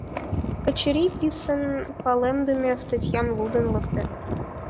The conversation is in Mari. Качырий писын палемдыме статьям лудын лекте.